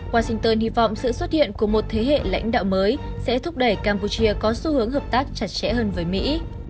washington hy vọng sự xuất hiện của một thế hệ lãnh đạo mới sẽ thúc đẩy campuchia có xu hướng hợp tác chặt chẽ hơn với mỹ